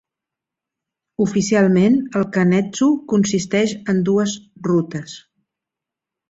Oficialment, el Kan-Etsu consisteix en dues rutes.